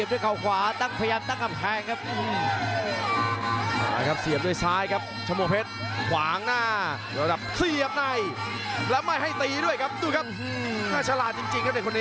ดูครับน่าฉลาดจริงครับเด็กคนนี้